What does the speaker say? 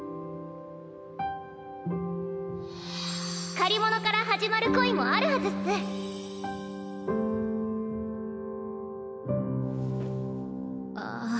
借り物から始まる恋もあるはああ